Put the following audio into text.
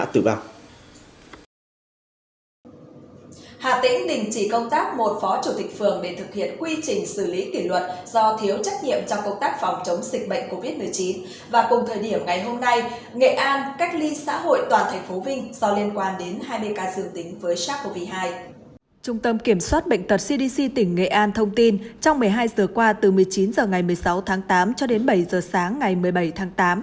trung tâm kiểm soát bệnh tật cdc tỉnh nghệ an thông tin trong một mươi hai giờ qua từ một mươi chín h ngày một mươi sáu tháng tám cho đến bảy h sáng ngày một mươi bảy tháng tám